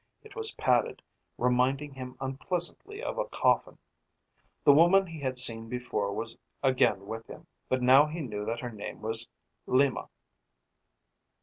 It was padded, reminding him unpleasantly of a coffin. The woman he had seen before was again with him, but now he knew that her name was Lima.